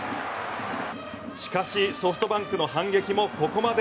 しかしソフトバンクの反撃もここまで。